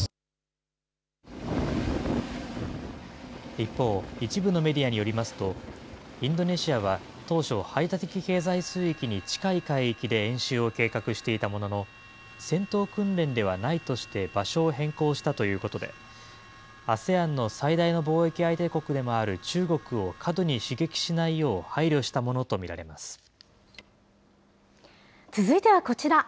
一方、一部のメディアによりますと、インドネシアは当初、排他的経済水域に近い海域で演習を計画していたものの、戦闘訓練ではないとして、場所を変更したということで、ＡＳＥＡＮの最大の貿易相手国でもある中国を過度に刺激しないよ続いてはこちら。